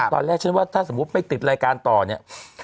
ตอนแรกฉันว่าถ้าสมมุติไปติดรายการต่อเนี่ย